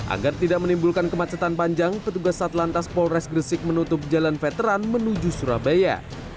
agar tidak menimbulkan kemacetan panjang petugas satlantas polres gresik menutup jalan veteran menuju surabaya